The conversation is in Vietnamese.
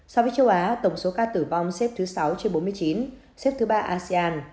so với châu á tổng số ca tử vong xếp thứ sáu trên bốn mươi chín xếp thứ ba asean